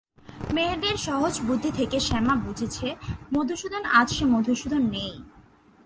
মেয়েদের সহজ বুদ্ধি থেকে শ্যামা বুঝেছে মধুসূদন আজ সে-মধুসূদন নেই।